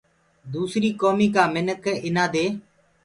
دوسريٚ ڪوميٚ ڪآ منِک اينآ دي